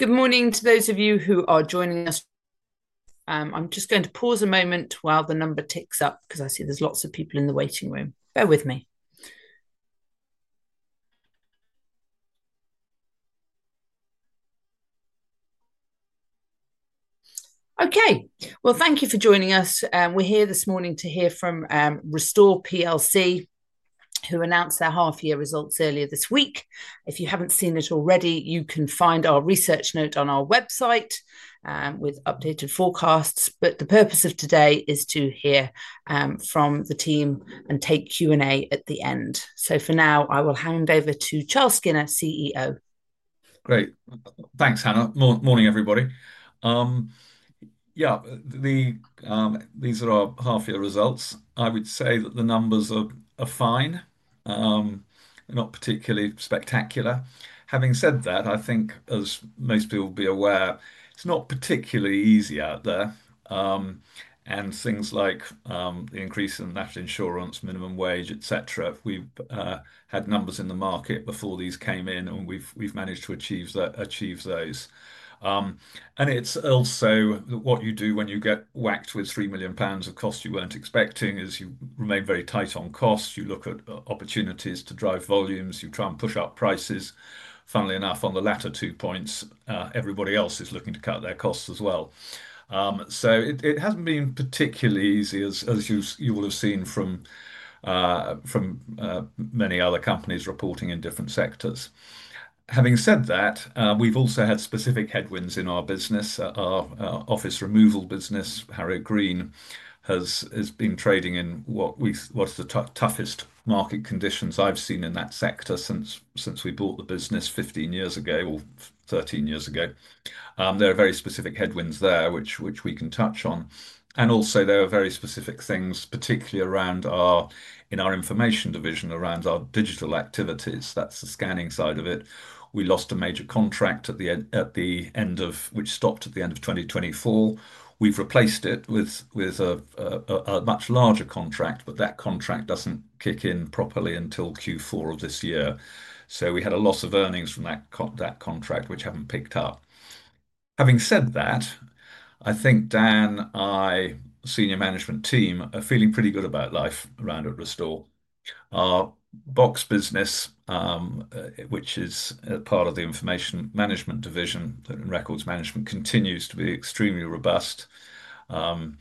Good morning to those of you who are joining us. I'm just going to pause a moment while the number ticks up because I see there's lots of people in the waiting room. Bear with me. Thank you for joining us. We're here this morning to hear from Restore plc, who announced their half-year results earlier this week. If you haven't seen it already, you can find our research note on our website with updated forecasts. The purpose of today is to hear from the team and take Q&A at the end. For now, I will hand over to Charles Skinner, CEO. Great. Thanks, Hannah. Morning, everybody. Yeah, these are our half-year results. I would say that the numbers are fine. They're not particularly spectacular. Having said that, I think, as most people will be aware, it's not particularly easy out there. Things like the increase in national insurance, minimum wage, etc., we've had numbers in the market before these came in, and we've managed to achieve those. It's also what you do when you get whacked with 3 million pounds of costs you weren't expecting is you remain very tight on costs. You look at opportunities to drive volumes. You try and push up prices. Funnily enough, on the latter two points, everybody else is looking to cut their costs as well. It hasn't been particularly easy, as you will have seen from many other companies reporting in different sectors. We've also had specific headwinds in our business. Our office removal business, Harrow Green, has been trading in what's the toughest market conditions I've seen in that sector since we bought the business 15 years ago or 13 years ago. There are very specific headwinds there, which we can touch on. There are also very specific things, particularly around our information division, around our digital activities. That's the scanning side of it. We lost a major contract at the end of, which stopped at the end of 2024. We've replaced it with a much larger contract, but that contract doesn't kick in properly until Q4 of this year. We had a loss of earnings from that contract, which haven't picked up. I think Dan, I, and the senior management team are feeling pretty good about life around at Restore. Our box business, which is part of the information management division and records management, continues to be extremely robust. The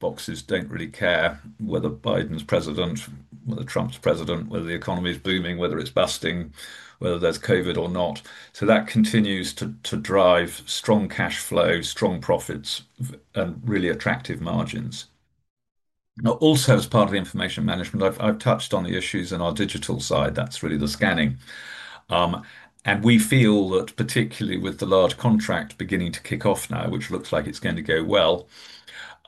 boxes don't really care whether Biden's president, whether Trump's president, whether the economy is booming, whether it's busting, whether there's COVID or not. That continues to drive strong cash flow, strong profits, and really attractive margins. Also, as part of the information management, I've touched on the issues in our digital side. That's really the scanning. We feel that particularly with the large contract beginning to kick off now, which looks like it's going to go well,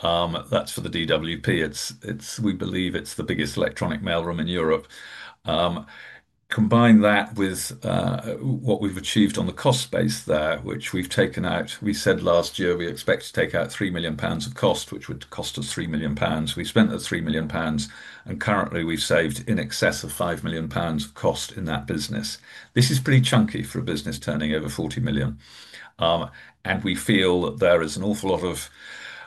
that's for the DWP. We believe it's the biggest electronic mailroom in Europe. Combine that with what we've achieved on the cost base there, which we've taken out. We said last year we expect to take out 3 million pounds of cost, which would cost us 3 million pounds. We spent those 3 million pounds, and currently, we've saved in excess of 5 million pounds of cost in that business. This is pretty chunky for a business turning over 40 million, and we feel that there is an awful lot of,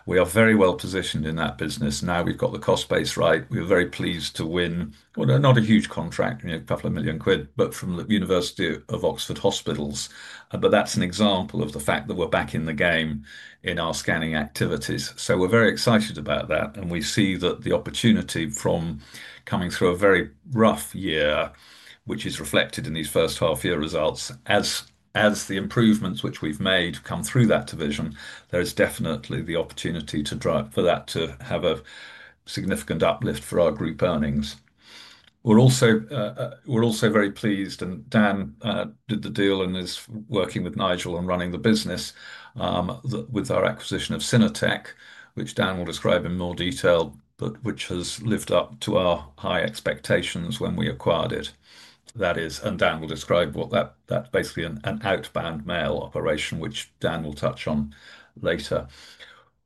we are very well positioned in that business. Now we've got the cost base right. We were very pleased to win, not a huge contract, a couple of million quid, but from the University of Oxford Hospitals. That's an example of the fact that we're back in the game in our scanning activities. We're very excited about that. We see that the opportunity from coming through a very rough year, which is reflected in these first half-year results, as the improvements which we've made come through that division, there's definitely the opportunity for that to have a significant uplift for our group earnings. We're also very pleased, and Dan did the deal and is working with Nigel on running the business with our acquisition of Synertec, which Dan will describe in more detail, but which has lived up to our high expectations when we acquired it. That is, and Dan will describe what that's basically an outbound mail operation, which Dan will touch on later.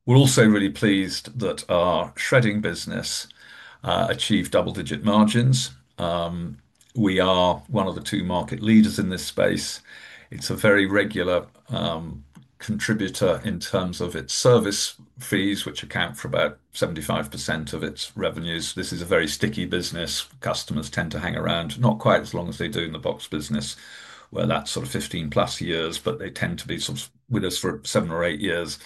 We're also really pleased that our shredding business achieved double-digit margins. We are one of the two market leaders in this space. It's a very regular contributor in terms of its service fees, which account for about 75% of its revenues. This is a very sticky business. Customers tend to hang around not quite as long as they do in the box business, where that's sort of 15-plus years, but they tend to be sort of with us for seven or eight years.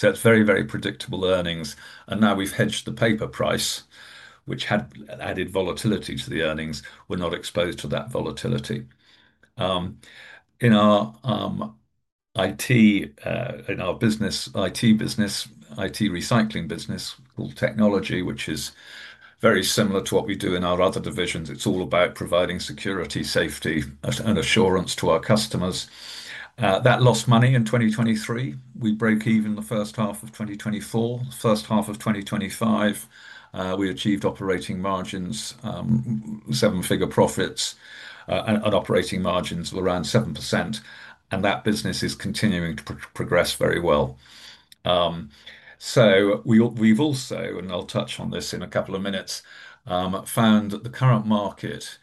It's very, very predictable earnings. Now we've hedged the paper price, which had added volatility to the earnings. We're not exposed to that volatility. In our IT, in our business IT business, IT recycling business, all technology, which is very similar to what we do in our other divisions, it's all about providing security, safety, and assurance to our customers. That lost money in 2023. We broke even the first half of 2024. First half of 2025, we achieved operating margins, seven-figure profits, and operating margins were around 7%. That business is continuing to progress very well. We've also, and I'll touch on this in a couple of minutes, found that the current market,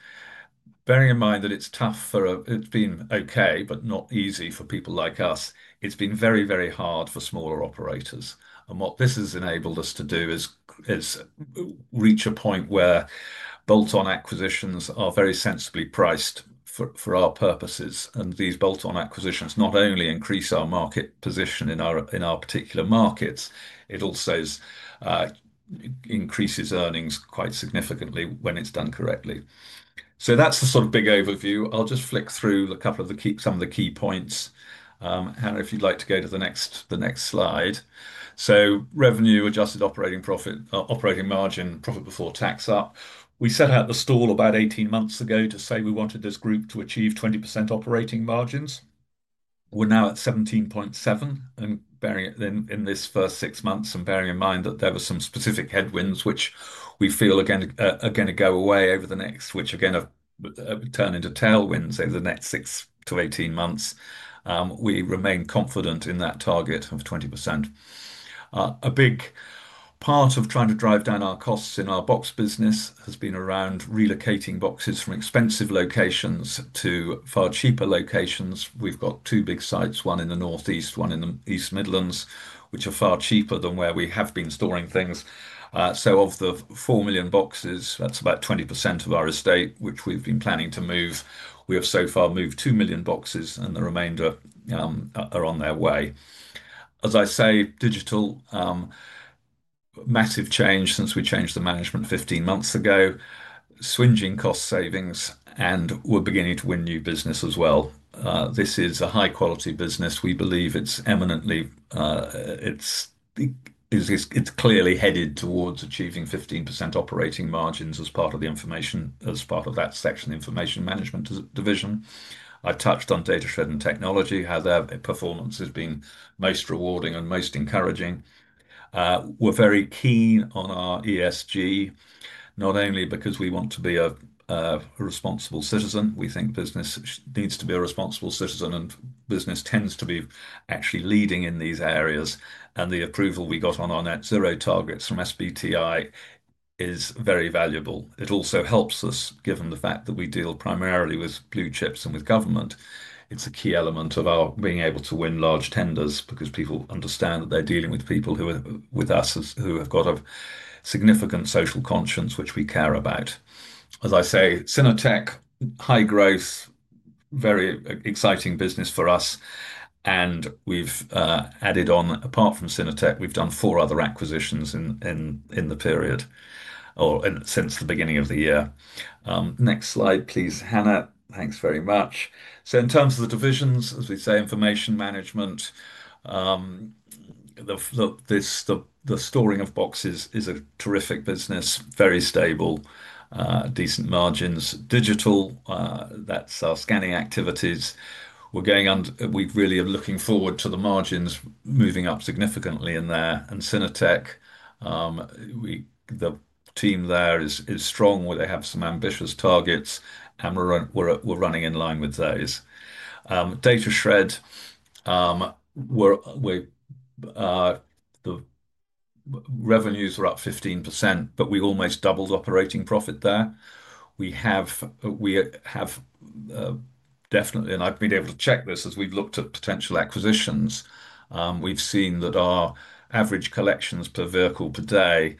bearing in mind that it's tough for, it's been okay, but not easy for people like us. It's been very, very hard for smaller operators. What this has enabled us to do is reach a point where bolt-on acquisitions are very sensibly priced for our purposes. These bolt-on acquisitions not only increase our market position in our particular markets, it also increases earnings quite significantly when it's done correctly. That's the sort of big overview. I'll just flick through a couple of the key, some of the key points. Hannah, if you'd like to go to the next slide. Revenue, adjusted operating profit, operating margin, profit before tax up. We set out the stall about 18 months ago to say we wanted this group to achieve 20% operating margins. We're now at 17.7% in this first six months. Bearing in mind that there were some specific headwinds, which we feel are going to go away over the next, which again turn into tailwinds over the next 6-18 months, we remain confident in that target of 20%. A big part of trying to drive down our costs in our box business has been around relocating boxes from expensive locations to far cheaper locations. We've got two big sites, one in the Northeast, one in the East Midlands, which are far cheaper than where we have been storing things. Of the 4 million boxes, that's about 20% of our estate, which we've been planning to move. We have so far moved 2 million boxes, and the remainder are on their way. As I say, digital, massive change since we changed the management 15 months ago, swinging cost savings, and we're beginning to win new business as well. This is a high-quality business. We believe it's eminently, it's clearly headed towards achieving 15% operating margins as part of that section of the information management division. I touched on data sharing technology, how their performance has been most rewarding and most encouraging. We're very keen on our ESG, not only because we want to be a responsible citizen. We think business needs to be a responsible citizen, and business tends to be actually leading in these areas. The approval we got on our net zero targets from SBTi is very valuable. It also helps us, given the fact that we deal primarily with blue chips and with government. It's a key element of our being able to win large tenders because people understand that they're dealing with people who are with us, who have got a significant social conscience, which we care about. As I say, Synertec, high growth, very exciting business for us. We've added on, apart from Synertec, we've done four other acquisitions in the period or since the beginning of the year. Next slide, please, Hannah. Thanks very much. In terms of the divisions, as we say, information management, the storing of boxes is a terrific business, very stable, decent margins. Digital, that's our scanning activities. We're going under, we really are looking forward to the margins moving up significantly in there. Synertec, the team there is strong. They have some ambitious targets, and we're running in line with those. Datashred, the revenues are up 15%, but we've almost doubled operating profit there. We have definitely, and I've been able to check this as we've looked at potential acquisitions. We've seen that our average collections per vehicle per day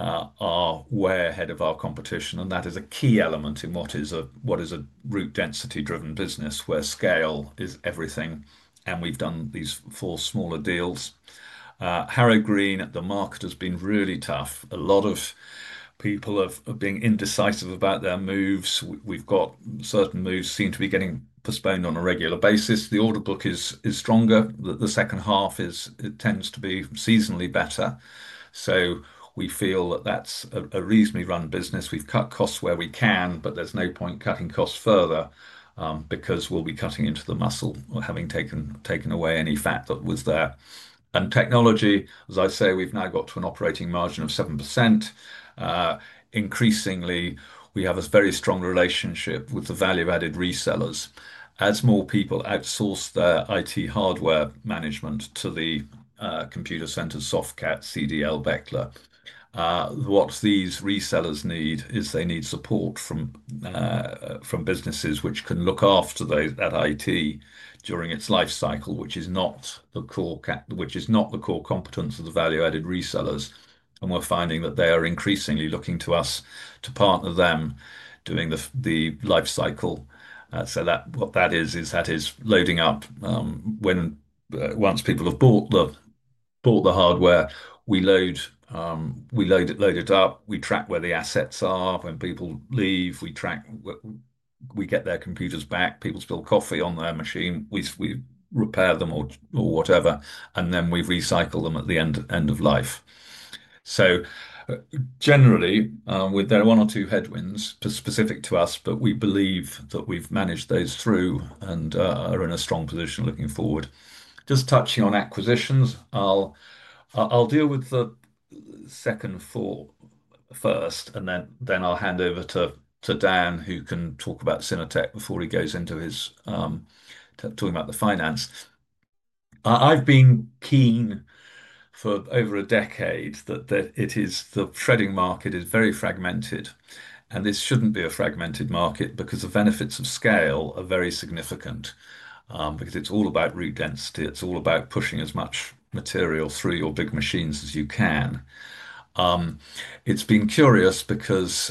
are way ahead of our competition. That is a key element in what is a route density-driven business where scale is everything. We've done these four smaller deals. Harrow Green, the market has been really tough. A lot of people are being indecisive about their moves. We've got certain moves seem to be getting postponed on a regular basis. The order book is stronger. The second half tends to be seasonally better. We feel that that's a reasonably run business. We've cut costs where we can, but there's no point cutting costs further because we'll be cutting into the muscle or having taken away any fat that was there. Technology, as I say, we've now got to an operating margin of 7%. Increasingly, we have a very strong relationship with the value-added resellers. As more people outsource their IT hardware management to the Computacenter, Softcat, CDL, Bechtle, what these resellers need is they need support from businesses which can look after that IT during its lifecycle, which is not the core competence of the value-added resellers. We're finding that they are increasingly looking to us to partner them during the lifecycle. What that is, is that is loading up. Once people have bought the hardware, we load it up. We track where the assets are. When people leave, we track, we get their computers back. People spill coffee on their machine. We repair them or whatever, and then we recycle them at the end of life. Generally, there are one or two headwinds specific to us, but we believe that we've managed those through and are in a strong position looking forward. Just touching on acquisitions, I'll deal with the second four first, and then I'll hand over to Dan, who can talk about Synertec before he goes into his talking about the finance. I've been keen for over a decade that the shredding market is very fragmented. This shouldn't be a fragmented market because the benefits of scale are very significant because it's all about route density. It's all about pushing as much material through your big machines as you can. It's been curious because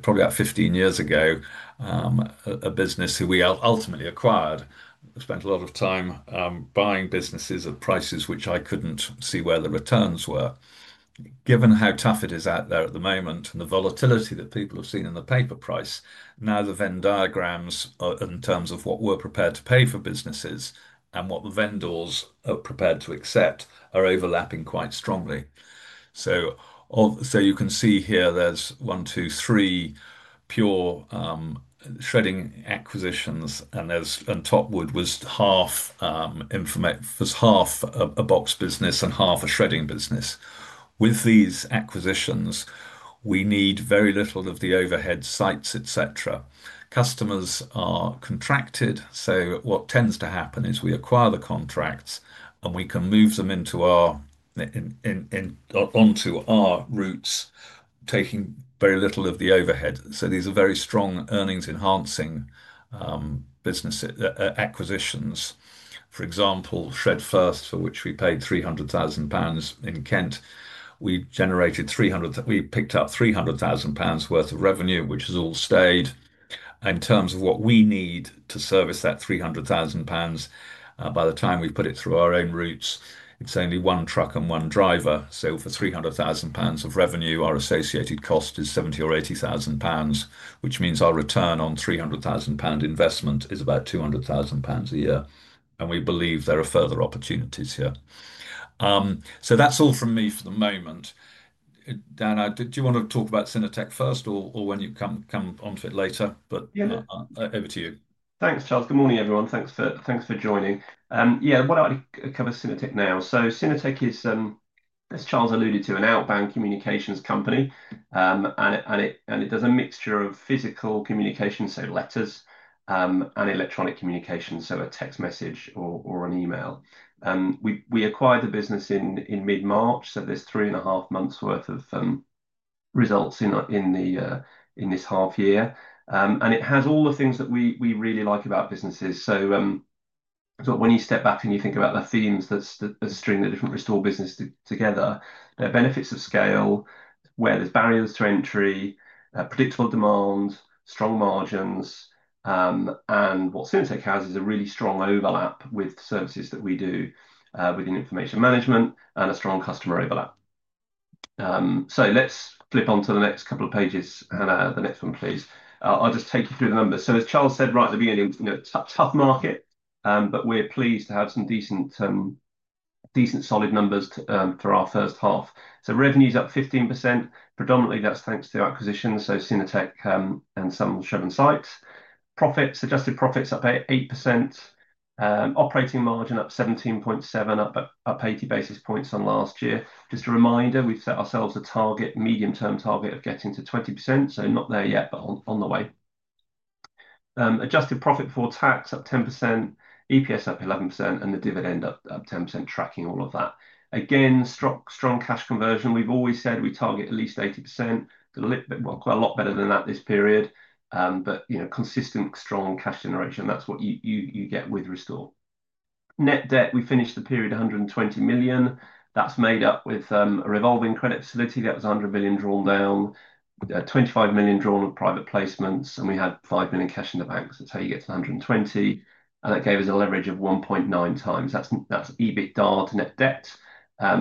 probably about 15 years ago, a business who we ultimately acquired spent a lot of time buying businesses at prices which I couldn't see where the returns were. Given how tough it is out there at the moment and the volatility that people have seen in the paper price, now the Venn diagrams in terms of what we're prepared to pay for businesses and what the vendors are prepared to accept are overlapping quite strongly. You can see here there's one, two, three pure shredding acquisitions, and Topwood was half a box business and half a shredding business. With these acquisitions, we need very little of the overhead sites, etc. Customers are contracted. What tends to happen is we acquire the contracts and we can move them onto our routes, taking very little of the overhead. These are very strong earnings-enhancing business acquisitions. For example, Shred First, for which we paid 300,000 pounds in Kent, we picked up 300,000 pounds worth of revenue, which has all stayed. In terms of what we need to service that 300,000 pounds, by the time we put it through our own routes, it's only one truck and one driver. For 300,000 pounds of revenue, our associated cost is 70,000 or 80,000 pounds, which means our return on 300,000 pound investment is about 200,000 pounds a year. We believe there are further opportunities here. That's all from me for the moment. Dan, do you want to talk about Synertec first or when you come on for it later? Over to you. Thanks, Charles. Good morning, everyone. Thanks for joining. What I want to cover is Synertec now. Synertec is, as Charles alluded to, an outbound communications company. It does a mixture of physical communication, so letters, and electronic communications, so a text message or an email. We acquired the business in mid-March. There's three and a half months' worth of results in this half year. It has all the things that we really like about businesses. When you step back and you think about the themes that string the different Restore businesses together, there are benefits of scale, where there's barriers to entry, predictable demand, strong margins, and what Synertec has is a really strong overlap with services that we do within information management and a strong customer overlap. Let's flip on to the next couple of pages, Hannah. The next one, please. I'll just take you through the numbers. As Charles said right at the beginning, tough market, but we're pleased to have some decent solid numbers for our first half. Revenues are up 15%. Predominantly, that's thanks to acquisitions, so Synertec and some shown sites. Profits, suggested profits up 8%. Operating margin up 17.7%, up 80 basis points on last year. Just a reminder, we've set ourselves a target, medium-term target of getting to 20%. Not there yet, but on the way. Adjusted profit before tax up 10%, EPS up 11%, and the dividend up 10%, tracking all of that. Again, strong cash conversion. We've always said we target at least 80%. A little bit more, quite a lot better than that this period. Consistent, strong cash generation. That's what you get with Restore. Net debt, we finished the period 120 million. That's made up with a revolving credit facility that was 100 million drawn down, 25 million drawn on private placements, and we had 5 million cash in the bank. That's how you get to 120 million. That gave us a leverage of 1.9 times. That's EBITDA to net debt.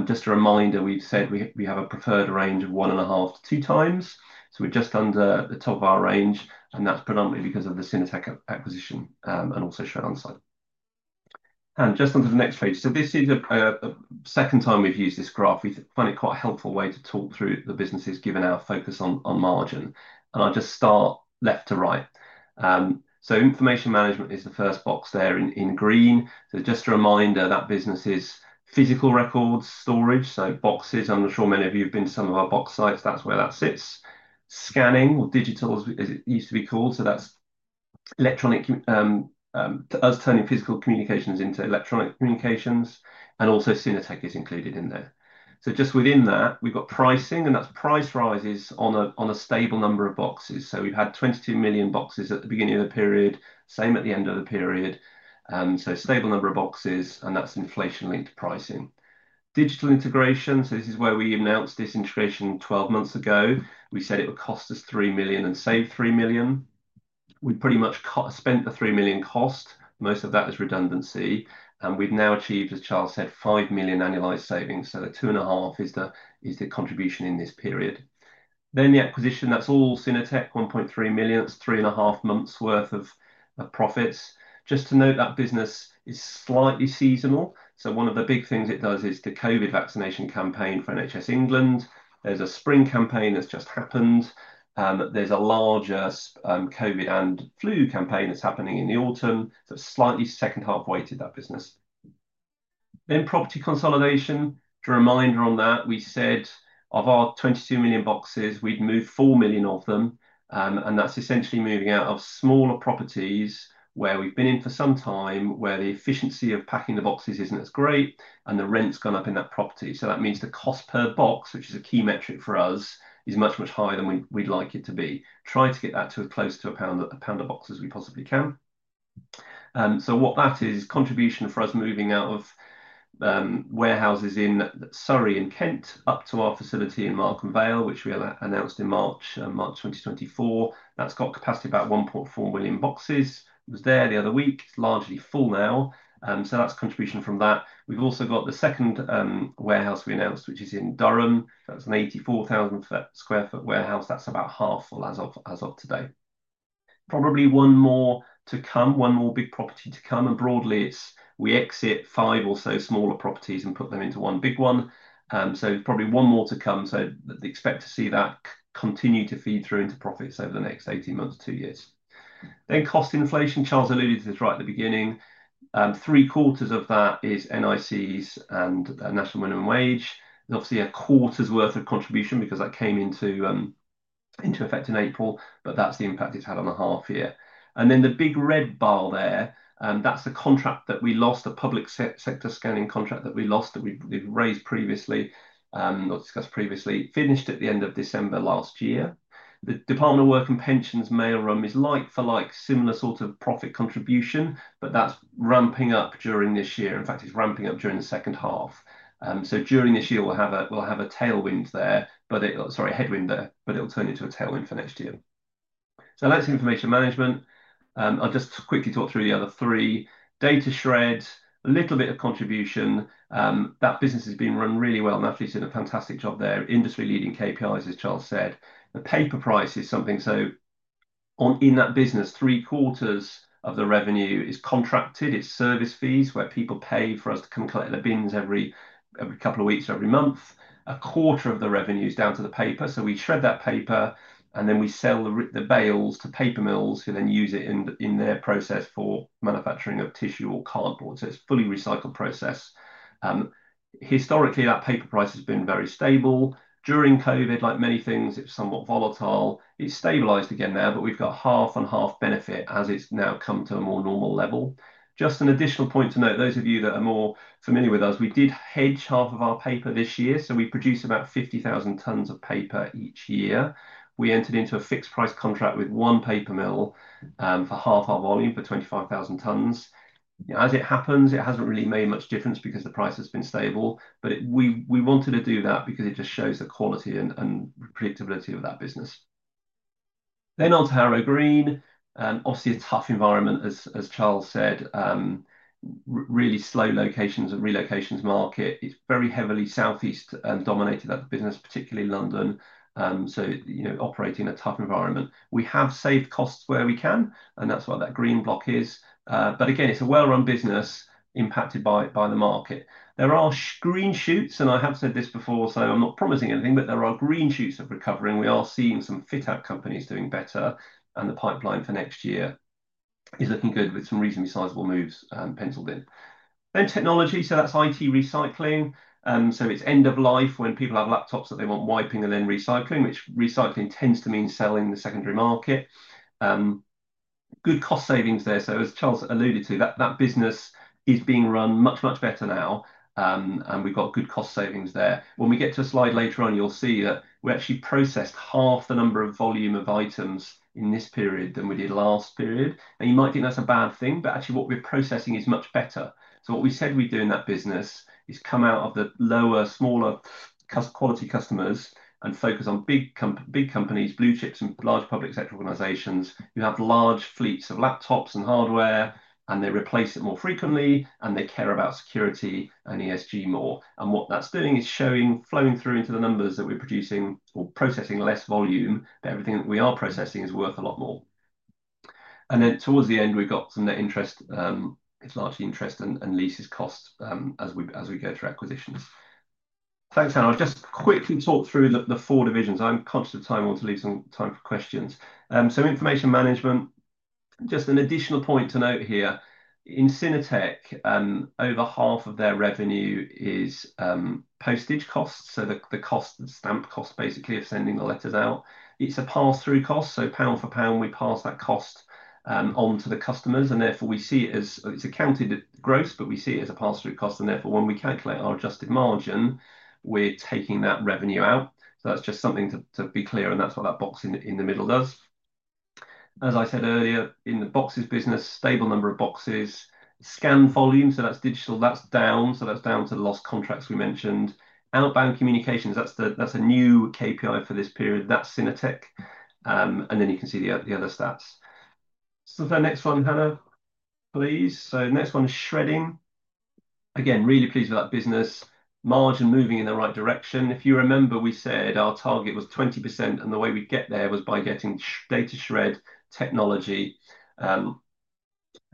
Just a reminder, we've said we have a preferred range of 1.5-2 times. We're just under the top of our range, and that's predominantly because of the Synertec acquisition and also Sharon's side. Just onto the next page. This is the second time we've used this graph. We find it quite a helpful way to talk through the businesses given our focus on margin. I'll just start left to right. Information management is the first box there in green. Just a reminder, that business is physical records storage. Boxes, I'm sure many of you have been to some of our box sites. That's where that sits. Scanning or digital, as it used to be called, that's electronic, us turning physical communications into electronic communications. Synertec is included in there. Within that, we've got pricing, and that's price rises on a stable number of boxes. We've had 22 million boxes at the beginning of the period, same at the end of the period. Stable number of boxes, and that's inflation-linked to pricing. Digital integration, this is where we announced this integration 12 months ago. We said it would cost us 3 million and save 3 million. We've pretty much spent the 3 million cost. Most of that is redundancy. We've now achieved, as Charles said, 5 million annualized savings. Two and a half is the contribution in this period. The acquisition, that's all Synertec, 1.3 million. It's three and a half months' worth of profits. Just to note, that business is slightly seasonal. One of the big things it does is the COVID vaccination campaign for NHS England. There's a spring campaign that's just happened. There's a larger COVID and flu campaign that's happening in the autumn. It's slightly second half weighted, that business. Property consolidation, to remind her on that, we said of our 22 million boxes, we'd move 4 million of them. That's essentially moving out of smaller properties where we've been in for some time, where the efficiency of packing the boxes isn't as great, and the rent's gone up in that property. That means the cost per box, which is a key metric for us, is much, much higher than we'd like it to be. We try to get that to as close to GBP 1 a box as we possibly can. That is contribution for us moving out of warehouses in Surrey and Kent up to our facility in Markham Vale, which we announced in March 2024. That's got capacity for about 1.4 million boxes. I was there the other week. It's largely full now. That's contribution from that. We've also got the second warehouse we announced, which is in Durham. That was an 84,000 square foot warehouse. That's about half full as of today. Probably one more to come, one more big property to come. Broadly, we exit five or so smaller properties and put them into one big one. Probably one more to come. Expect to see that continue to feed through into profits over the next 18 months to two years. Cost inflation, Charles alluded to this right at the beginning. Three quarters of that is NICs and National Minimum Wage. There's obviously a quarter's worth of contribution because that came into effect in April, but that's the impact it's had on the half year. The big red bar there, that's the contract that we lost, a public sector scaling contract that we lost, that we've raised previously or discussed previously, finished at the end of December last year. The Department for Work and Pensions mailroom is like for like similar sort of profit contribution, but that's ramping up during this year. In fact, it's ramping up during the second half. During this year, we'll have a headwind there, but it'll turn into a tailwind for next year. That's information management. I'll just quickly talk through the other three. Datashred, a little bit of contribution. That business has been run really well. Matthew did a fantastic job there. Industry-leading KPIs, as Charles said. The paper price is something. In that business, three quarters of the revenue is contracted. It's service fees where people pay for us to come collect the bins every couple of weeks or every month. A quarter of the revenue is down to the paper. We shred that paper, and then we sell the bales to paper mills who then use it in their process for manufacturing of tissue or collarboards. It's a fully recycled process. Historically, that paper price has been very stable. During COVID, like many things, it's somewhat volatile. It's stabilized again now, but we've got half and half benefit as it's now come to a more normal level. Just an additional point to note, those of you that are more familiar with us, we did hedge half of our paper this year. We produce about 50,000 tons of paper each year. We entered into a fixed price contract with one paper mill for half our volume for 25,000 tons. As it happens, it hasn't really made much difference because the price has been stable. We wanted to do that because it just shows the quality and predictability of that business. Onto Harrow Green, obviously a tough environment, as Charles said, really slow locations and relocations market. It's very heavily Southeast dominated at the business, particularly London. Operating in a tough environment. We have saved costs where we can, and that's what that green block is. Again, it's a well-run business impacted by the market. There are green shoots, and I have said this before, so I'm not promising anything, but there are green shoots of recovery. We are seeing some fit-out companies doing better, and the pipeline for next year is looking good with some reasonably sizable moves penciled in. Technology, that's IT recycling. It's end of life when people have laptops that they want wiping and then recycling, which recycling tends to mean selling the secondary market. Good cost savings there. As Charles alluded to, that business is being run much, much better now. We've got good cost savings there. When we get to a slide later on, you'll see that we actually processed half the number of volume of items in this period than we did last period. You might think that's a bad thing, but actually what we're processing is much better. What we said we'd do in that business is come out of the lower, smaller quality customers and focus on big companies, blue chips, and large public sector organizations who have large fleets of laptops and hardware, they replace it more frequently, and they care about security and ESG more. What that's doing is showing, flowing through into the numbers that we're producing or processing less volume, but everything that we are processing is worth a lot more. Towards the end, we've got some net interest. It's largely interest and leases cost as we go through acquisitions. Thanks, Hannah. I'll just quickly talk through the four divisions. I'm conscious of time. We'll leave some time for questions. Information management, just an additional point to note here. In Synertec, over half of their revenue is postage costs, so the cost, the stamp cost, basically, of sending the letters out. It's a pass-through cost. Pound for pound, we pass that cost onto the customers. Therefore, we see it as it's accounted at gross but we see it as a pass-through cost. When we calculate our adjusted margin, we're taking that revenue out. That's just something to be clear, and that's what that box in the middle does. As I said earlier, in the boxes business, stable number of boxes, scan volume, that's digital, that's down. That's down to the lost contracts we mentioned. Outbound communications, that's a new KPI for this period. That's Synertec. You can see the other stats. The next one, Hannah, please. Next one is shredding. Again, really pleased with that business. Margin moving in the right direction. If you remember, we said our target was 20%, and the way we'd get there was by getting Datashred technology to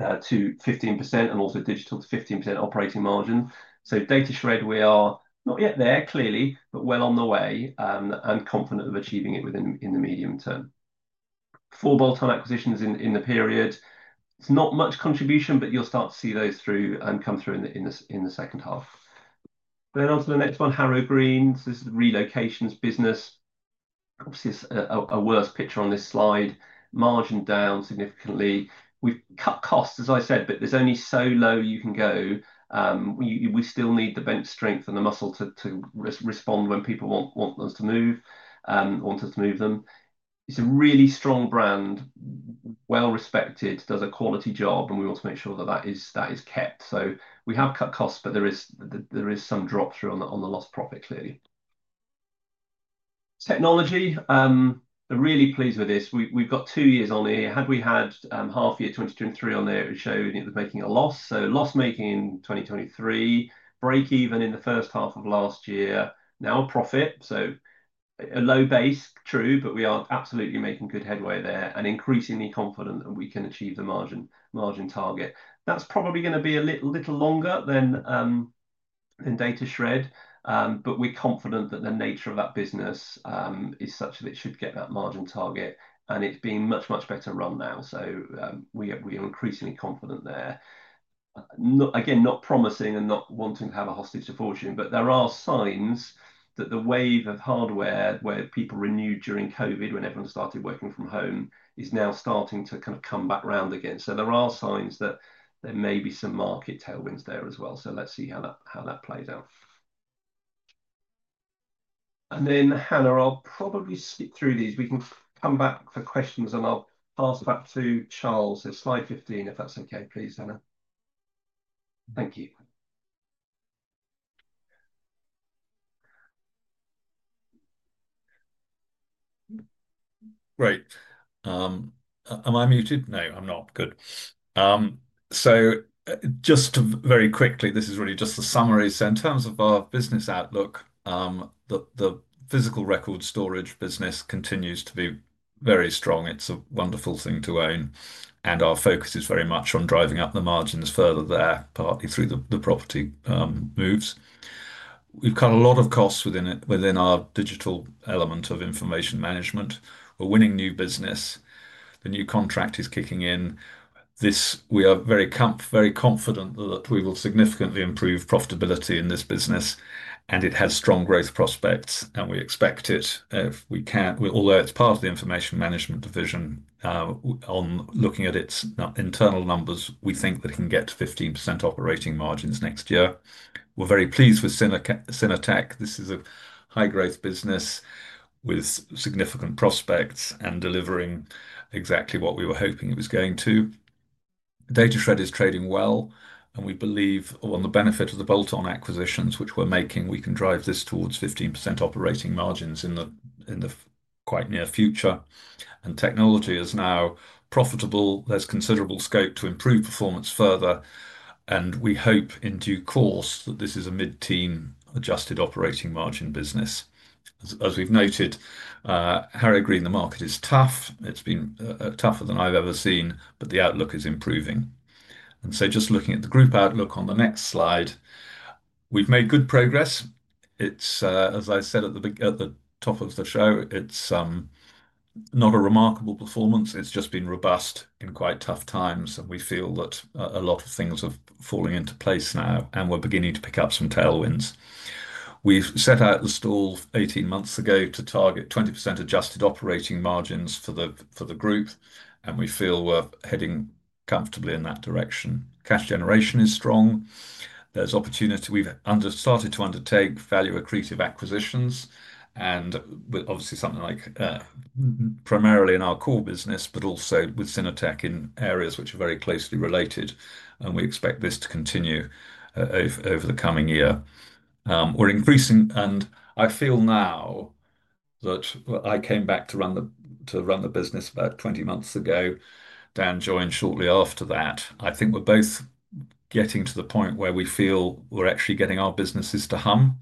15% and also digital to 15% operating margin. Datashred, we are not yet there, clearly, but well on the way and confident of achieving it within the medium term. Four bolt-on acquisitions in the period. It's not much contribution, but you'll start to see those through and come through in the second half. Also, the next one, Harrow Green. This is the relocations business. Obviously, it's a worse picture on this slide. Margin down significantly. We've cut costs, as I said, but there's only so low you can go. We still need the bench strength and the muscle to respond when people want us to move or want us to move them. It's a really strong brand, well-respected, does a quality job, and we want to make sure that that is kept. We have cut costs, but there is some drop through on the lost profit, clearly. Technology, we're really pleased with this. We've got two years on here. Had we had half-year 2023 on there, it would show that we're making a loss. Loss-making in 2023, break even in the first half of last year, now a profit. A low base, true, but we are absolutely making good headway there and increasingly confident that we can achieve the margin target. That's probably going to be a little longer than Datashred, but we're confident that the nature of that business is such that it should get that margin target, and it's being much, much better run now. We are increasingly confident there. Not promising and not wanting to have a hostage to fortune, but there are signs that the wave of hardware where people renewed during COVID when everyone started working from home is now starting to kind of come back around again. There are signs that there may be some market tailwinds there as well. Let's see how that plays out. Hannah, I'll probably skip through these. We can come back for questions, and I'll pass back to Charles. Slide 15, if that's okay, please, Hannah. Thank you. Great. Am I muted? No, I'm not. Good. Just very quickly, this is really just a summary. In terms of our business outlook, the physical record storage business continues to be very strong. It's a wonderful thing to own, and our focus is very much on driving up the margins further there, partly through the property moves. We've cut a lot of costs within our digital element of information management. We're winning new business. The new contract is kicking in. We are very confident that we will significantly improve profitability in this business, and it has strong growth prospects, and we expect it. Although it's part of the information management division, on looking at its internal numbers, we think that it can get to 15% operating margins next year. We're very pleased with Synertec. This is a high-growth business with significant prospects and delivering exactly what we were hoping it was going to. Datashred is trading well, and we believe on the benefit of the bolt-on acquisitions, which we're making, we can drive this towards 15% operating margins in the quite near future. Technology is now profitable. There's considerable scope to improve performance further. We hope in due course that this is a mid-teens adjusted operating margin business. As we've noted, Harrow Green, the market is tough. It's been tougher than I've ever seen, but the outlook is improving. Looking at the group outlook on the next slide, we've made good progress. As I said at the top of the show, it's not a remarkable performance. It's just been robust in quite tough times, and we feel that a lot of things are falling into place now, and we're beginning to pick up some tailwinds. We set out the stall 18 months ago to target 20% adjusted operating margins for the group, and we feel we're heading comfortably in that direction. Cash generation is strong. There's opportunity. We've started to undertake value accretive acquisitions, obviously something like primarily in our core business, but also with Synertec in areas which are very closely related. We expect this to continue over the coming year. We're increasing, and I feel now that I came back to run the business about 20 months ago. Dan joined shortly after that. I think we're both getting to the point where we feel we're actually getting our businesses to hum,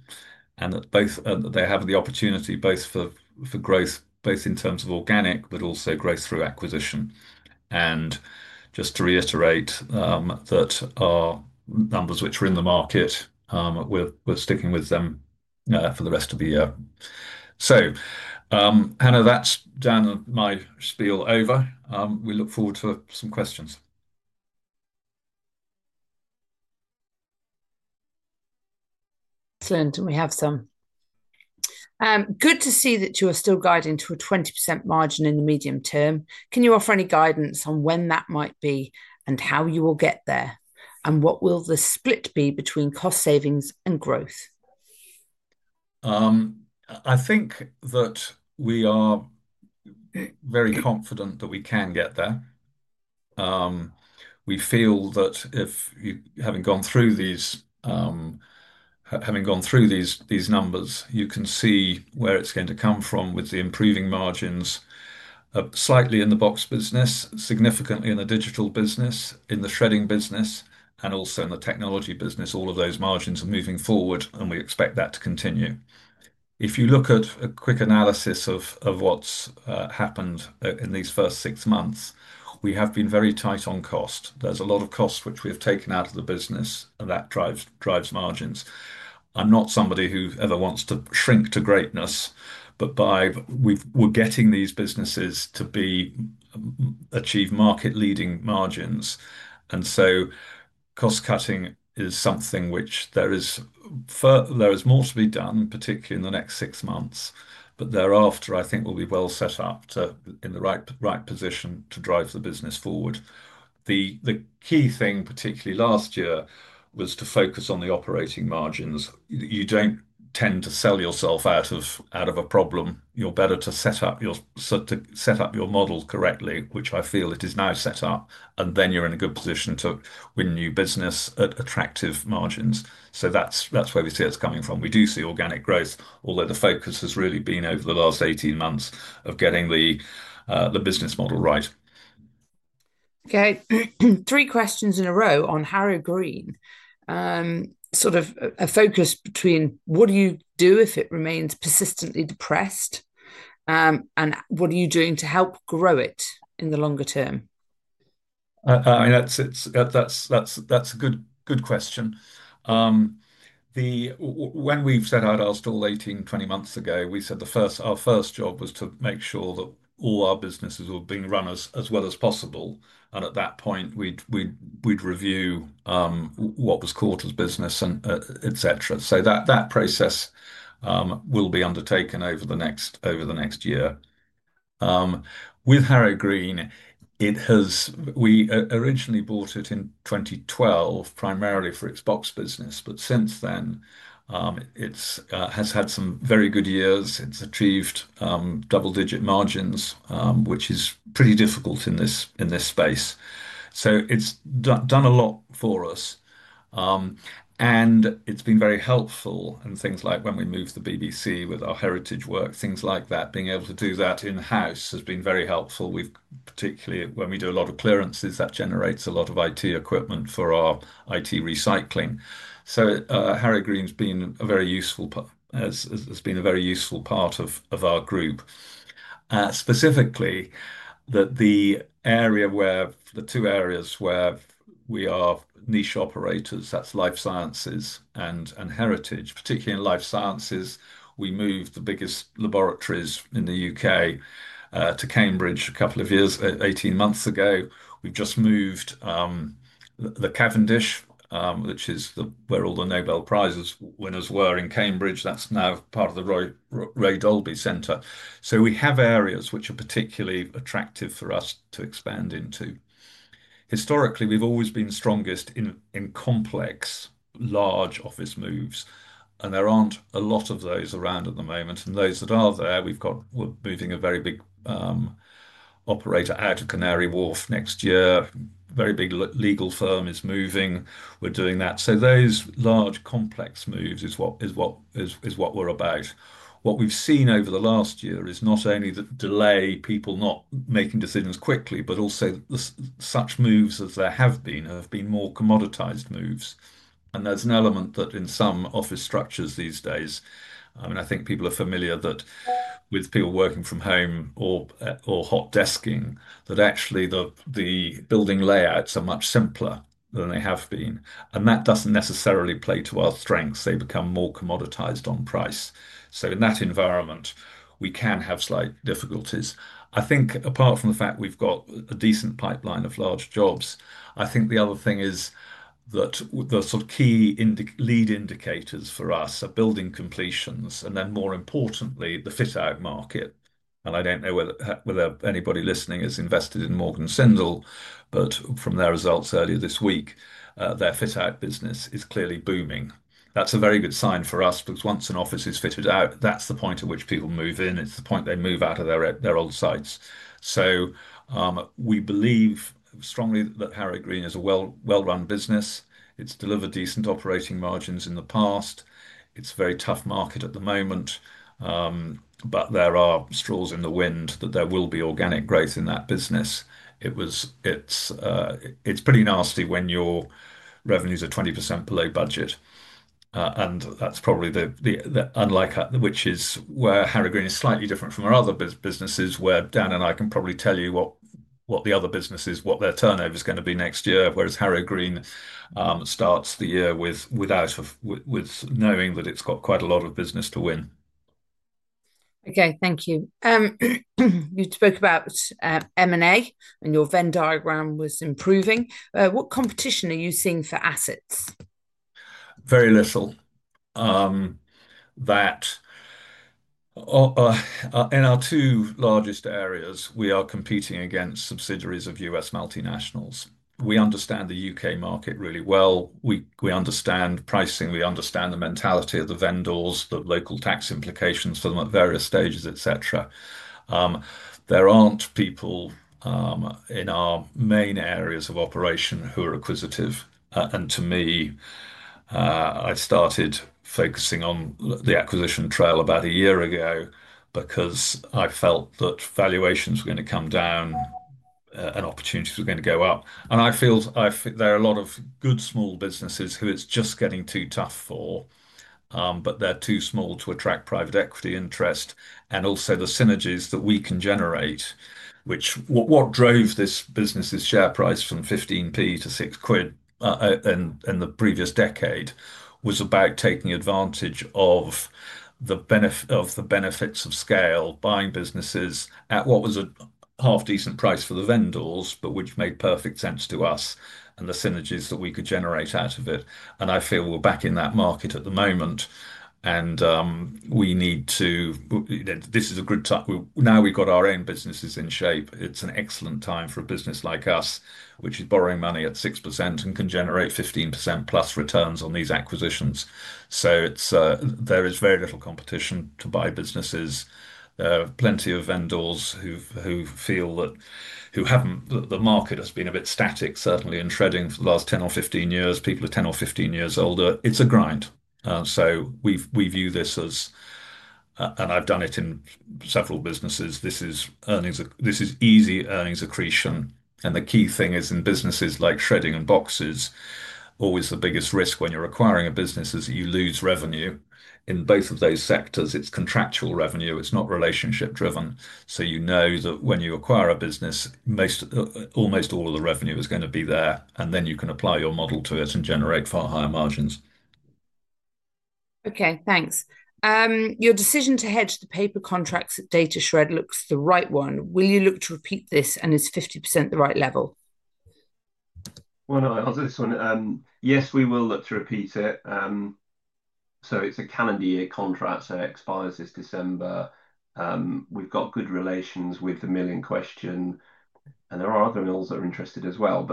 and that they have the opportunity both for growth, both in terms of organic, but also growth through acquisition. Just to reiterate that our numbers which are in the market, we're sticking with them for the rest of the year. So, Hannah, that's Dan and my spiel over. We look forward to some questions. Excellent. Good to see that you are still guiding to a 20% margin in the medium term. Can you offer any guidance on when that might be and how you will get there? What will the split be between cost savings and growth? I think that we are very confident that we can get there. We feel that having gone through these numbers, you can see where it's going to come from with the improving margins, slightly in the box business, significantly in the digital business, in the shredding business, and also in the technology business. All of those margins are moving forward, and we expect that to continue. If you look at a quick analysis of what's happened in these first six months, we have been very tight on cost. There's a lot of cost which we have taken out of the business, and that drives margins. I'm not somebody who ever wants to shrink to greatness, but we're getting these businesses to achieve market-leading margins. Cost cutting is something which there is more to be done, particularly in the next six months. Thereafter, I think we'll be well set up in the right position to drive the business forward. The key thing, particularly last year, was to focus on the operating margins. You don't tend to sell yourself out of a problem. You're better to set up your model correctly, which I feel it is now set up, and then you're in a good position to win new business at attractive margins. That's where we see it's coming from. We do see organic growth, although the focus has really been over the last 18 months of getting the business model right. Okay. Three questions in a row on Harrow Green. Sort of a focus between what do you do if it remains persistently depressed, and what are you doing to help grow it in the longer term? I mean, that's a good question. When we've set out our stall 18-20 months ago, we said our first job was to make sure that all our businesses were being run as well as possible. At that point, we'd review what was core to the business, et cetera. That process will be undertaken over the next year. With Harrow Green, we originally bought it in 2012, primarily for its box business. Since then, it has had some very good years. It's achieved double-digit margins, which is pretty difficult in this space. It's done a lot for us, and it's been very helpful in things like when we moved the BBC with our heritage work, things like that. Being able to do that in-house has been very helpful, particularly when we do a lot of clearances. That generates a lot of IT equipment for our IT asset disposition. Harrow Green has been a very useful part of our group. Specifically, the two areas where we are niche operators are life sciences and heritage. Particularly in life sciences, we moved the biggest laboratories in the UK to Cambridge a couple of years, 18 months ago. We've just moved the Cavendish, which is where all the Nobel Prize winners were in Cambridge. That's now part of the Ray Dolby Centre. We have areas which are particularly attractive for us to expand into. Historically, we've always been strongest in complex, large office moves. There aren't a lot of those around at the moment. Those that are there, we're moving a very big operator out of Canary Wharf next year. A very big legal firm is moving. We're doing that. Those large, complex moves are what we're about. What we've seen over the last year is not only the delay, people not making decisions quickly, but also such moves as there have been, have been more commoditized moves. There's an element that in some office structures these days, I mean, I think people are familiar with people working from home or hot desking, that actually the building layouts are much simpler than they have been. That doesn't necessarily play to our strengths. They become more commoditized on price. In that environment, we can have slight difficulties. Apart from the fact we've got a decent pipeline of large jobs, the other thing is that the sort of key lead indicators for us are building completions and then more importantly, the fit-out market. I don't know whether anybody listening is invested in Morgan Sindall, but from their results earlier this week, their fit-out business is clearly booming. That's a very good sign for us because once an office is fitted out, that's the point at which people move in. It's the point they move out of their old sites. We believe strongly that Harrow Green is a well-run business. It's delivered decent operating margins in the past. It's a very tough market at the moment, but there are straws in the wind that there will be organic growth in that business. It's pretty nasty when your revenues are 20% below budget. That's probably the unlike, which is where Harrow Green is slightly different from our other businesses where Dan and I can probably tell you what the other business is, what their turnover is going to be next year, whereas Harrow Green starts the year without knowing that it's got quite a lot of business to win. Okay. Thank you. You spoke about M&A and your Venn diagram was improving. What competition are you seeing for assets? Very little. In our two largest areas, we are competing against subsidiaries of U.S. multinationals. We understand the U.K. market really well. We understand pricing. We understand the mentality of the vendors, the local tax implications for them at various stages, etc. There aren't people in our main areas of operation who are acquisitive. I started focusing on the acquisition trail about a year ago because I felt that valuations were going to come down and opportunities were going to go up. I feel there are a lot of good small businesses who it's just getting too tough for, but they're too small to attract private equity interest and also the synergies that we can generate, which is what drove this business's share price from 0.15 to 6.00 quid in the previous decade, was about taking advantage of the benefits of scale, buying businesses at what was a half-decent price for the vendors, but which made perfect sense to us and the synergies that we could generate out of it. I feel we're back in that market at the moment. We need to, you know, this is a good time. Now we've got our own businesses in shape. It's an excellent time for a business like us, which is borrowing money at 6% and can generate 15% plus returns on these acquisitions. There is very little competition to buy businesses. There are plenty of vendors who feel that the market has been a bit static, certainly, in shredding for the last 10 or 15 years. People are 10 or 15 years older. It's a grind. We view this as, and I've done it in several businesses, this is easy earnings accretion. The key thing is in businesses like shredding and boxes, always the biggest risk when you're acquiring a business is that you lose revenue. In both of those sectors, it's contractual revenue. It's not relationship-driven. You know that when you acquire a business, almost all the revenue is going to be there. Then you can apply your model to it and generate far higher margins. Okay. Thanks. Your decision to hedge the paper contracts at Datashred looks the right one. Will you look to repeat this, and is 50% the right level? I'll answer this one. Yes, we will look to repeat it. It's a calendar year contract, so it expires this December. We've got good relations with the mill in question, and there are other mills that are interested as well.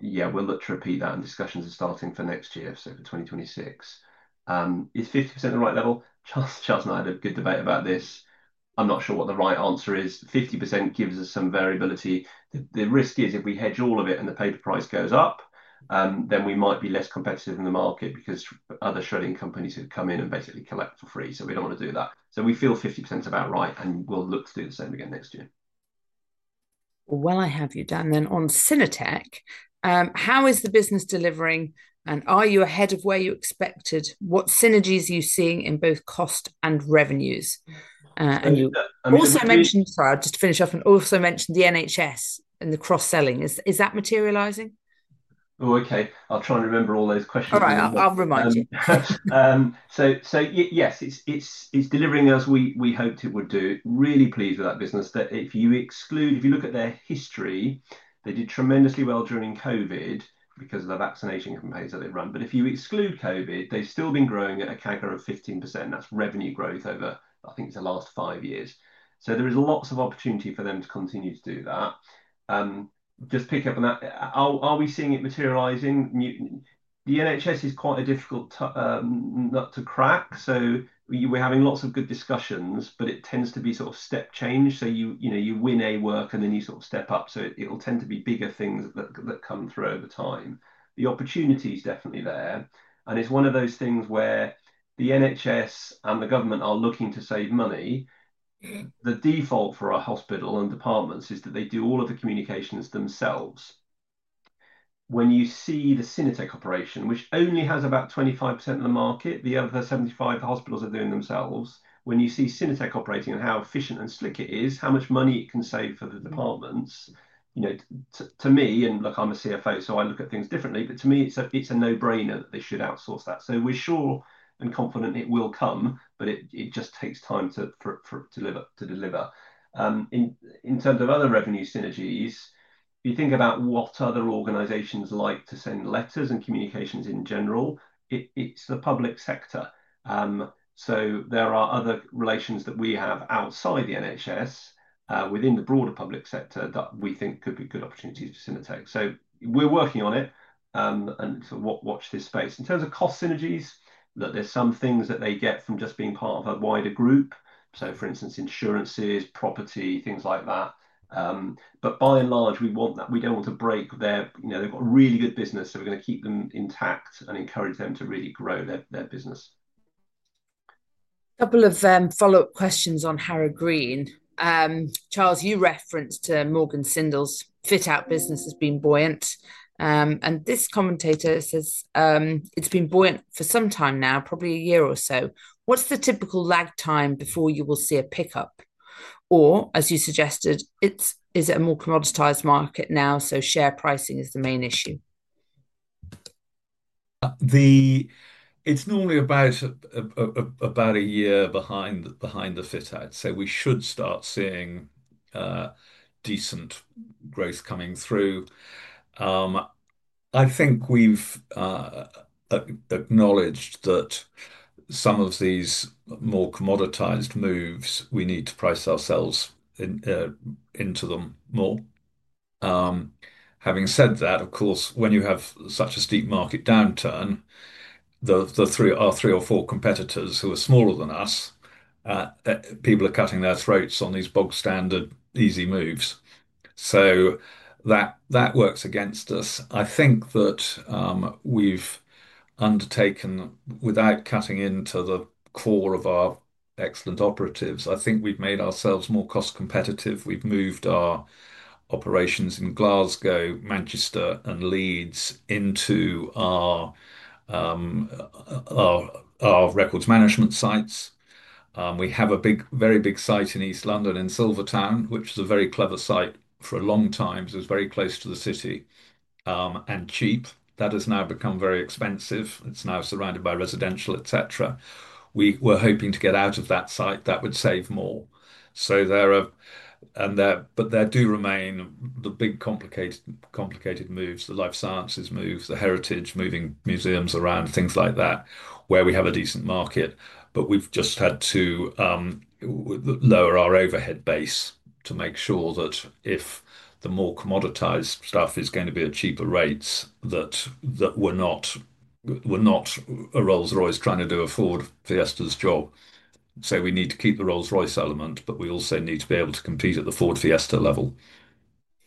Yeah, we'll look to repeat that. Discussions are starting for next year, for 2026. Is 50% the right level? Charles and I had a good debate about this. I'm not sure what the right answer is. 50% gives us some variability. The risk is if we hedge all of it and the paper price goes up, then we might be less competitive in the market because other shredding companies have come in and basically collect for free. We don't want to do that. We feel 50% is about right, and we'll look to do the same again next year. Dan, on Synertec, how is the business delivering? Are you ahead of where you expected? What synergies are you seeing in both cost and revenues? You also mentioned, just to finish off, and also mentioned the NHS and the cross-selling. Is that materializing? Oh, okay. I'll try and remember all those questions. All right, I'll remind you. Yes, it's delivering as we hoped it would do. Really pleased with that business. If you look at their history, they did tremendously well during COVID because of the vaccination campaigns that they've run. If you exclude COVID, they've still been growing at a CAGR of 15%. That's revenue growth over, I think, the last five years. There is lots of opportunity for them to continue to do that. Are we seeing it materializing? The NHS is quite a difficult nut to crack. We're having lots of good discussions, but it tends to be sort of step change. You win work and then you sort of step up. It'll tend to be bigger things that come through over time. The opportunity is definitely there. It's one of those things where the NHS and the government are looking to save money. The default for our hospital and departments is that they do all of the communications themselves. When you see the Synertec operation, which only has about 25% of the market, the other 75 hospitals are doing it themselves. When you see Synertec operating and how efficient and slick it is, how much money it can save for the departments, to me, and look, I'm a CFO, so I look at things differently, but to me, it's a no-brainer that they should outsource that. We're sure and confident it will come, but it just takes time to deliver. In terms of other revenue synergies, if you think about what other organizations like to send letters and communications in general, it's the public sector. There are other relations that we have outside the NHS within the broader public sector that we think could be good opportunities to Synertec. We're working on it and sort of watch this space. In terms of cost synergies, there's some things that they get from just being part of a wider group. For instance, insurances, property, things like that. By and large, we want that. We don't want to break their, you know, they've got a really good business, so we're going to keep them intact and encourage them to really grow their business. A couple of follow-up questions on Harrow Green. Charles, you referenced Morgan Sindall's fit-out business as being buoyant. This commentator says it's been buoyant for some time now, probably a year or so. What's the typical lag time before you will see a pickup? Is it a more commoditized market now? Share pricing is the main issue. It's normally about a year behind the fit-out. We should start seeing decent growth coming through. I think we've acknowledged that some of these more commoditized moves, we need to price ourselves into them more. Having said that, of course, when you have such a steep market downturn, our three or four competitors who are smaller than us, people are cutting their throats on these bog standard, easy moves. That works against us. I think that we've undertaken, without cutting into the core of our excellent operatives, we've made ourselves more cost-competitive. We've moved our operations in Glasgow, Manchester, and Leeds into our records management sites. We have a very big site in East London in Silvertown, which was a very clever site for a long time. It was very close to the city and cheap. That has now become very expensive. It's now surrounded by residential, et cetera. We were hoping to get out of that site. That would save more. There do remain the big complicated moves, the life sciences moves, the heritage, moving museums around, things like that, where we have a decent market. We've just had to lower our overhead base to make sure that if the more commoditized stuff is going to be at cheaper rates, we're not a Rolls-Royce trying to do a Ford Fiesta's job. We need to keep the Rolls-Royce element, but we also need to be able to compete at the Ford Fiesta level.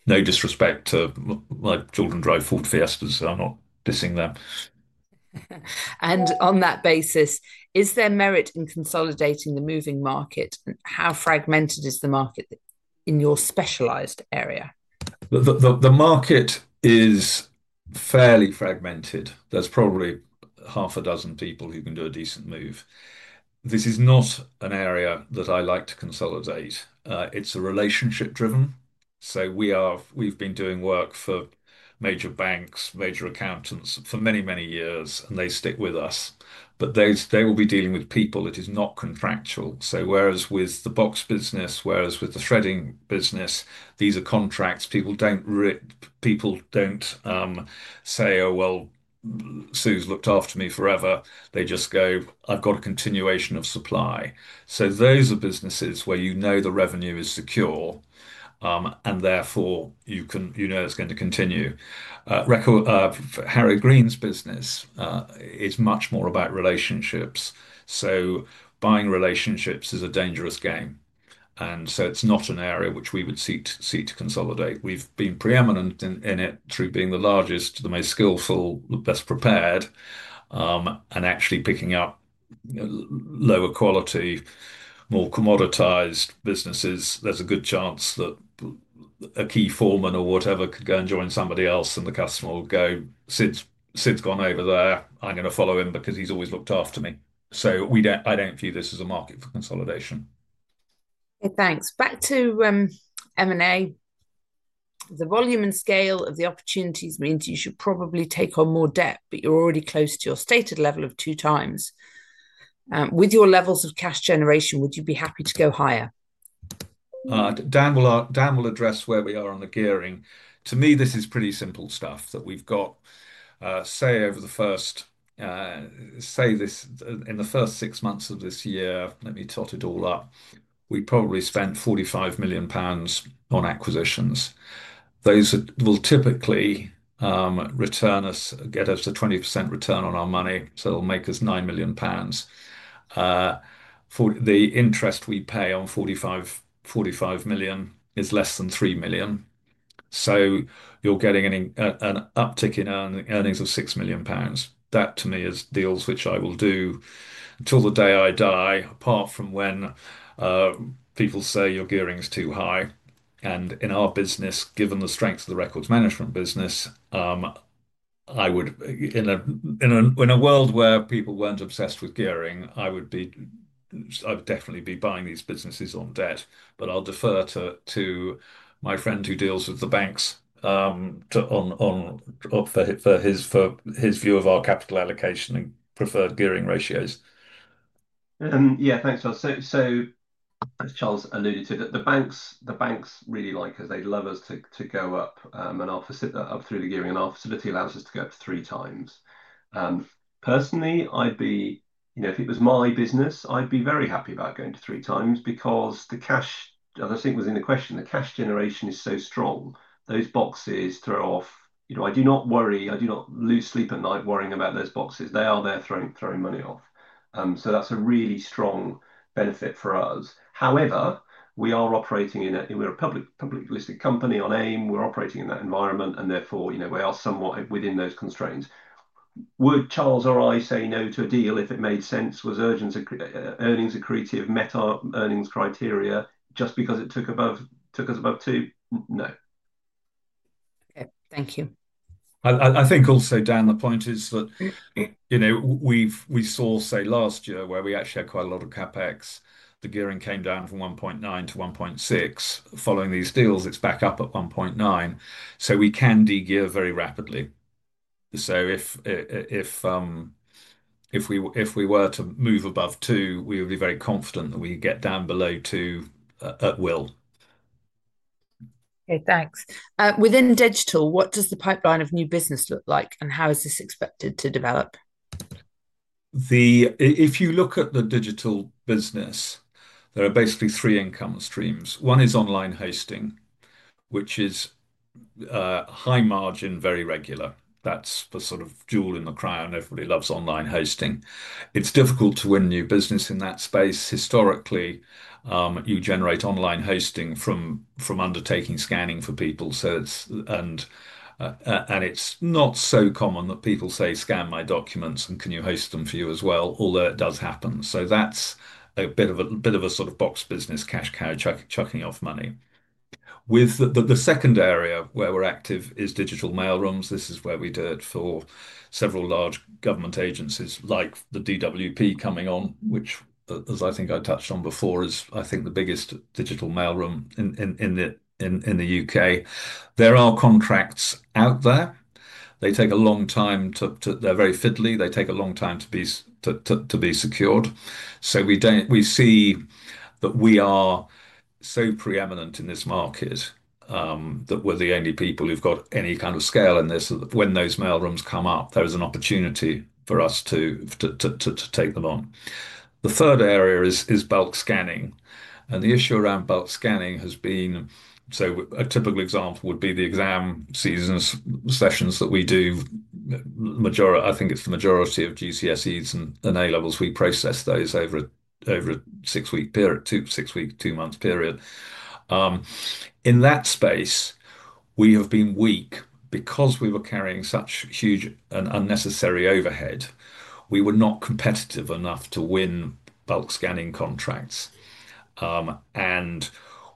No disrespect to my children drive Ford Fiesta, so I'm not dissing them. Is there merit in consolidating the moving market? How fragmented is the market in your specialized area? The market is fairly fragmented. There's probably half a dozen people who can do a decent move. This is not an area that I like to consolidate. It's relationship-driven. We've been doing work for major banks, major accountants for many, many years, and they stick with us. They will be dealing with people. It is not contractual. Whereas with the box business, whereas with the shredding business, these are contracts. People don't say, "Oh, well, Sue's looked after me forever." They just go, "I've got a continuation of supply." Those are businesses where you know the revenue is secure, and therefore you know it's going to continue. Harrow Green's business is much more about relationships. Buying relationships is a dangerous game. It's not an area which we would seek to consolidate. We've been preeminent in it through being the largest, the most skillful, the best prepared, and actually picking up lower quality, more commoditized businesses. There's a good chance that a key foreman or whatever could go and join somebody else, and the customer will go, "Sid's gone over there. I'm going to follow him because he's always looked after me." I don't view this as a market for consolidation. Okay, thanks. Back to M&A. The volume and scale of the opportunities means you should probably take on more debt, but you're already close to your stated level of two times. With your levels of cash generation, would you be happy to go higher? Dan will address where we are on the gearing. To me, this is pretty simple stuff that we've got. In the first six months of this year, let me tot it all up. We probably spent 45 million pounds on acquisitions. Those will typically return us, get us a 20% return on our money. So it'll make us 9 million pounds. The interest we pay on 45 million is less than 3 million. You're getting an uptick in earnings of 6 million pounds. That to me is deals which I will do until the day I die, apart from when people say your gearing is too high. In our business, given the strengths of the records management business, I would, in a world where people weren't obsessed with gearing, I would definitely be buying these businesses on debt. I'll defer to my friend who deals with the banks for his view of our capital allocation and preferred gearing ratios. Thanks, Charles. As Charles alluded to, the banks really like us. They'd love us to go up, and our facility allows us to go up to three times. Personally, if it was my business, I'd be very happy about going to three times because the cash, as I think was in the question, the cash generation is so strong. Those boxes throw off, I do not worry. I do not lose sleep at night worrying about those boxes. They are there throwing money off. That's a really strong benefit for us. However, we are operating in a, we're a publicly listed company on AIM. We're operating in that environment, and therefore, we are somewhat within those constraints. Would Charles or I say no to a deal if it made sense, was earnings accretive, met our earnings criteria just because it took us above two? No. Okay, thank you. I think also, Dan, the point is that, you know, we saw, say, last year where we actually had quite a lot of CapEx, the gearing came down from 1.9-1.6. Following these deals, it's back up at 1.9. We can degear very rapidly. If we were to move above 2, we would be very confident that we could get down below 2 at will. Okay, thanks. Within digital, what does the pipeline of new business look like, and how is this expected to develop? If you look at the digital business, there are basically three income streams. One is online hosting, which is high margin, very regular. That's the sort of jewel in the crown. Everybody loves online hosting. It's difficult to win new business in that space. Historically, you generate online hosting from undertaking scanning for people. It's not so common that people say, "Scan my documents, and can you host them for you as well?" Although it does happen. That's a bit of a sort of box business, cash cash, chucking off money. The second area where we're active is digital mailrooms. This is where we do it for several large government agencies like the DWP coming on, which, as I think I touched on before, is I think the biggest digital mailroom in the U.K. There are contracts out there. They take a long time to, they're very fiddly. They take a long time to be secured. We see that we are so preeminent in this market that we're the only people who've got any kind of scale. When those mailrooms come up, there is an opportunity for us to take them on. The third area is bulk scanning. The issue around bulk scanning has been, so a typical example would be the exam season sessions that we do. I think it's the majority of GCSEs and A-levels. We process those over a six-week period, two-month period. In that space, we have been weak because we were carrying such huge and unnecessary overhead. We were not competitive enough to win bulk scanning contracts.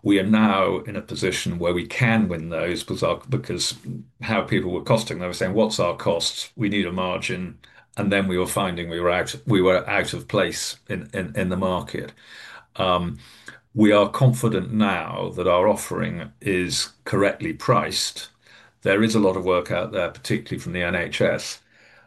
We are now in a position where we can win those because how people were costing. They were saying, "What's our cost? We need a margin." We were finding we were out of place in the market. We are confident now that our offering is correctly priced. There is a lot of work out there, particularly from the NHS.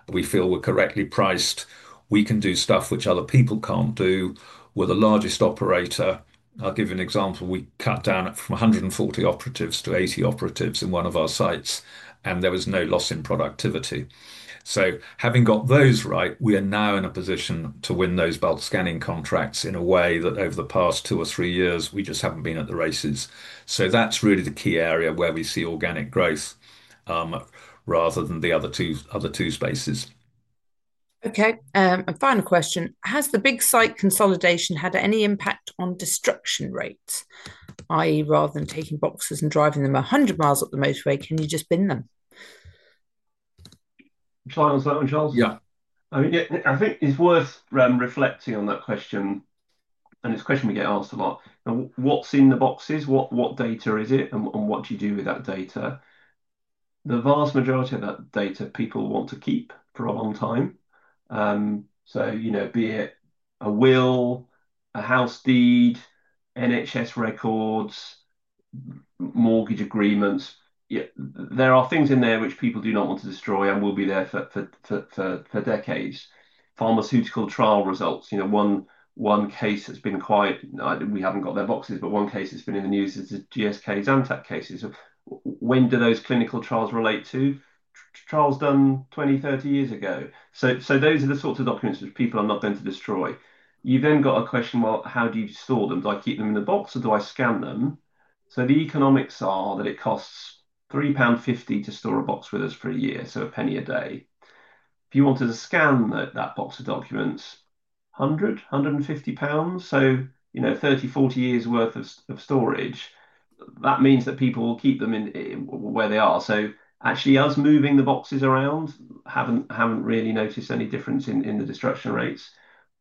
We feel we're correctly priced. We can do stuff which other people can't do. We're the largest operator. I'll give you an example. We cut down from 140 operatives to 80 operatives in one of our sites, and there was no loss in productivity. Having got those right, we are now in a position to win those bulk scanning contracts in a way that over the past two or three years, we just haven't been at the races. That's really the key area where we see organic growth rather than the other two spaces. Okay. A final question. Has the big site consolidation had any impact on destruction rates? I.e., rather than taking boxes and driving them 100 miles up the motorway, can you just bin them? Try and answer that one, Charles. Yeah. I mean, I think it's worth reflecting on that question. It's a question we get asked a lot. What's in the boxes? What data is it? What do you do with that data? The vast majority of that data, people want to keep for a long time. Be it a will, a house deed, NHS records, mortgage agreements, there are things in there which people do not want to destroy and will be there for decades. Pharmaceutical trial results. One case that's been quiet, we haven't got their boxes, but one case that's been in the news is the GSK Zantac cases. Of when do those clinical trials relate to? Trials done 20, 30 years ago. Those are the sorts of documents which people are not going to destroy. You've then got a question, how do you store them? Do I keep them in the box or do I scan them? The economics are that it costs 3.50 pound to store a box with us for a year, so GBP 0.01 a day. If you wanted to scan that box of documents, 100, 150 pounds, so 30, 40 years' worth of storage, that means that people will keep them where they are. Actually, us moving the boxes around, haven't really noticed any difference in the destruction rates.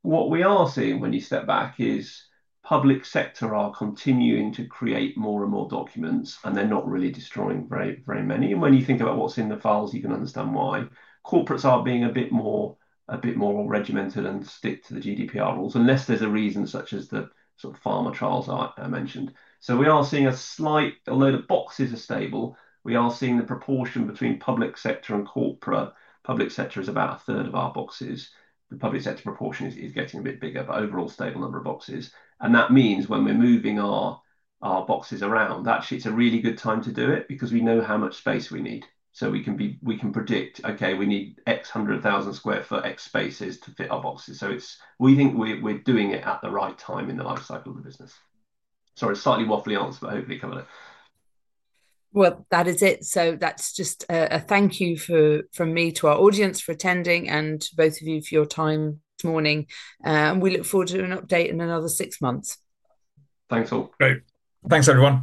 What we are seeing when you step back is public sector are continuing to create more and more documents, and they're not really destroying very many. When you think about what's in the files, you can understand why. Corporates are being a bit more regimented and stick to the GDPR rules unless there's a reason such as the sort of pharma trials I mentioned. We are seeing a slight, although the boxes are stable, we are seeing the proportion between public sector and corporate. Public sector is about a third of our boxes. The public sector proportion is getting a bit bigger, but overall stable number of boxes. That means when we're moving our boxes around, actually, it's a really good time to do it because we know how much space we need. We can predict, okay, we need X hundred thousand square foot X spaces to fit our boxes. We think we're doing it at the right time in the lifecycle of the business. Sorry, slightly waffly answer, but hopefully covered it. That is it. That's just a thank you from me to our audience for attending and both of you for your time this morning. We look forward to an update in another six months. Thanks all. Great. Thanks, everyone.